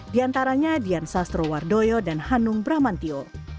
diantaranya dian sastrowardoyo dan hanung bramantio